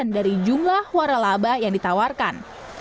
dari jumlah waralaba yang ditawarkan